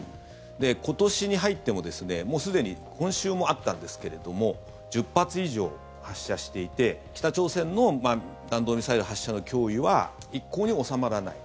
今年に入っても、もうすでに今週もあったんですけれども１０発以上発射していて北朝鮮の弾道ミサイル発射の脅威は一向に収まらない。